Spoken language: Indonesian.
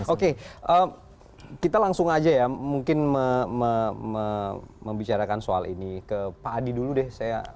oke kita langsung aja ya mungkin membicarakan soal ini ke pak adi dulu deh